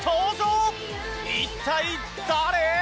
一体誰？